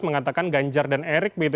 mengatakan ganjar dan erick begitu